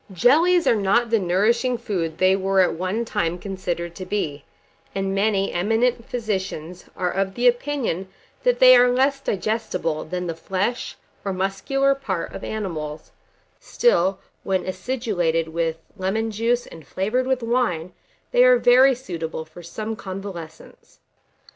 1386. JELLIES are not the nourishing food they were at one time considered to be, and many eminent physicians are of opinion that they are less digestible than the flesh, or muscular part of animals; still, when acidulated with lemon juice and flavoured with wine, they are very suitable for some convalescents.